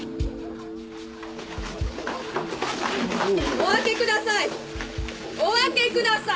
・お開けください！